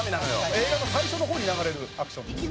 映画の最初の方に流れるアクションなんです。